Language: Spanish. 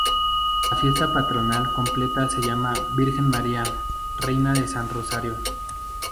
La fiesta patronal completa se llama Virgen María, Reina de San Rosario.